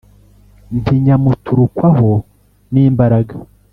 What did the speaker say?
Nti Nyamuturukwaho n’imbaraga